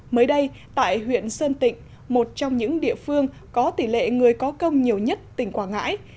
mới đây tại huyện sơn tịnh một trong những địa phương có tỷ lệ người có công nhiều nhất tỉnh quảng ngãi